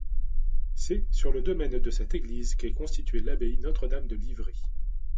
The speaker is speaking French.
C’est sur le domaine de cette église qu'est constituée l’abbaye Notre-Dame de Livry.